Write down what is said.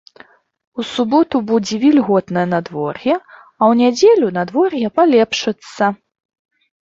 У суботу будзе вільготнае надвор'е, а ў нядзелю надвор'е палепшыцца.